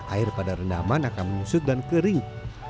air pada rendaman akan menyusut dan kering